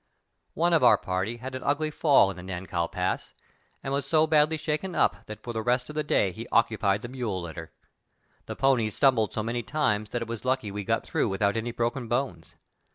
One of our party had an ugly fall in the Nankow Pass, and was so badly shaken up that for the rest of the day he occupied the mule litter. The ponies stumbled so many times that it was lucky we got through without any broken bones.